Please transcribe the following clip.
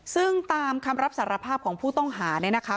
ซึ่งตามคำรับสารภาพของผู้ต้องหาเนี่ยนะคะ